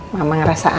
mama nganterin ya